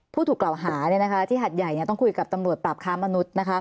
ผู้ถูกกล่าวหาที่หัดใหญ่ต้องคุยกับตำรวจปราบค้ามนุษย์